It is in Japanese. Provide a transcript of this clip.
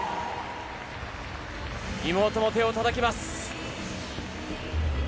妹も手をたたきます。